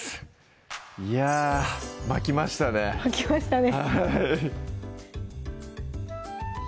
いやぁ巻きましたね巻きましたね